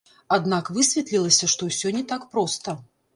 Аднак высветлілася, што ўсё не так проста.